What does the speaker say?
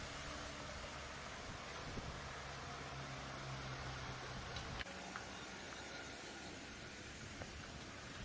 สวัสดีครับ